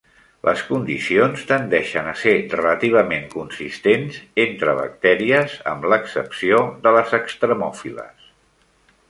Les condicions tendeixen a ser relativament consistents entre bactèries, amb l'excepció de les extremòfiles.